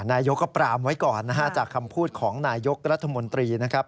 นายกก็ปรามไว้ก่อนนะฮะจากคำพูดของนายยกรัฐมนตรีนะครับ